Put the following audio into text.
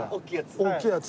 大きいやつ。